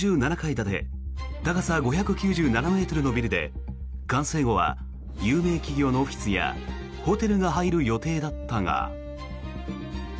建て高さ５９７ｍのビルで完成後は有名企業のオフィスやホテルが入る予定だったが。